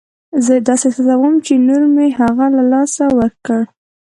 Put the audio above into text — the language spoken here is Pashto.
زه داسې احساسوم چې نور مې هغه له لاسه ورکړ.